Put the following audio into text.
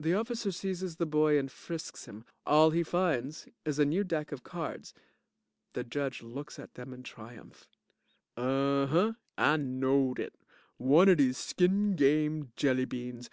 (The OFFICER seizes the boy and frisks him. All he finds is a new deck of cards. The JUDGE looks at them in triumph.) Unh hunh! I knowed it, one of dese skin game jelly beans.